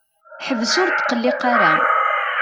Ḥbes ur tqelliq ara.